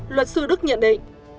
luật sư đức nhận định